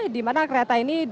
dimana kereta ini